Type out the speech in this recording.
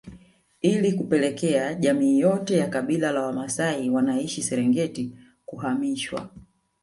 Ili kupelekea jamii yote ya kabila la Wamasai wanaishi Serengeti kuhamishwa